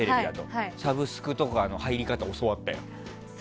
サブスクとかの入り方教わったよ。